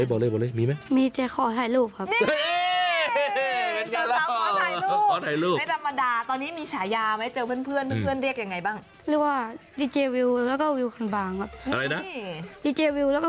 เพลียวคนก็เรียกพี่วิวคือปัง